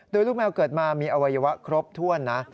โดยลูกแมวเกิดมามีอวัยวะครบถ้วนนะ